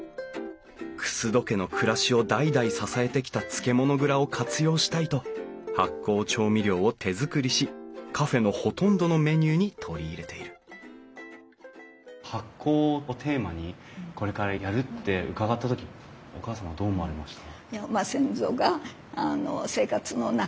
楠戸家の暮らしを代々支えてきた漬物蔵を活用したいと発酵調味料を手作りしカフェのほとんどのメニューに取り入れている発酵をテーマにこれからやるって伺った時お義母さんはどう思われました？